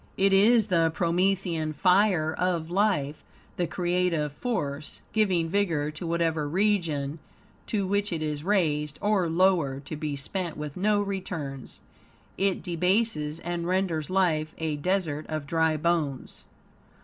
It is the promethian fire of life, the creative force, giving vigor to whatever region to which it is raised; or, lowered, to be spent with no returns, it debases and renders life a desert of dry bones.